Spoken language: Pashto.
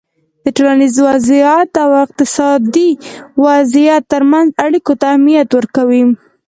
د ټولنیز وضععیت او اقتصادي وضعیت ترمنځ اړیکو ته اهمیت ورکوی